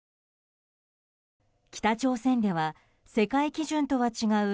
北朝鮮では世界基準とは違う